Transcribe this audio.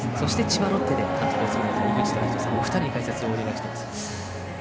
千葉ロッテで監督を務められました井口資仁さんのお二人に解説をお願いしております。